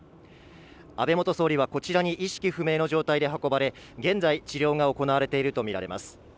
安倍元総理はこちらに意識不明の状態で運ばれ現在、治療が行われていると見られます。